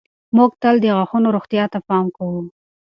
موږ تل د غاښونو روغتیا ته پام کوو.